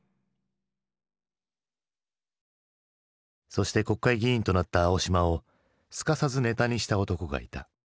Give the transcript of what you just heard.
そして国会議員となった青島をすかさずネタにした男がいた。